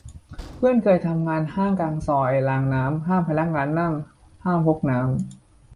เพื่อนเคยทำงานห้างกลางซอยรางน้ำ ห้ามพนักงานนั่ง ห้ามพกน้ำ